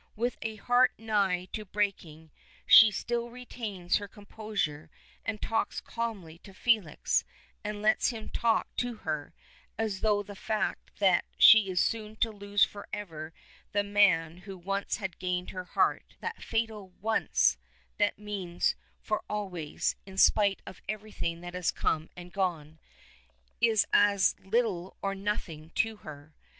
With a heart nigh to breaking she still retains her composure and talks calmly to Felix, and lets him talk to her, as though the fact that she is soon to lose forever the man who once had gained her heart that fatal "once" that means for always, in spite of everything that has come and gone is as little or nothing to her.